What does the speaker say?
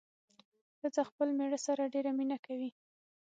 ښځه خپل مېړه سره ډېره مينه کوي